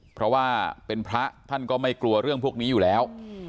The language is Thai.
เพราะว่าเป็นพระท่านก็ไม่กลัวเรื่องพวกนี้อยู่แล้ว